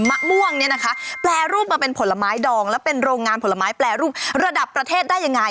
มะม่วงเนี่ยนะคะแปรรูปมาเป็นผลไม้ดองแล้วเป็นโรงงานผลไม้แปรรูประดับประเทศได้ยังไง